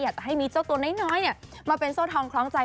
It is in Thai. อยากจะให้มีเจ้าตัวน้อยมาเป็นโซ่ทองคล้องใจ